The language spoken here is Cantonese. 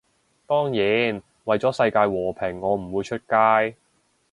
當然，為咗世界和平我唔會出街